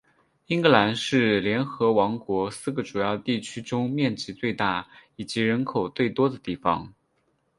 英格兰是联合王国四个主要地区中面积最大以及人口最多的地方。